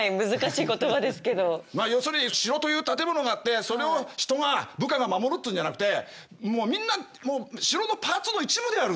まあ要するに城という建物があってそれを人が部下が守るっていうんじゃなくてもうみんな城のパーツの一部であるっていう。